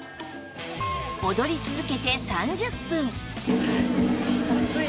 踊り続けて３０分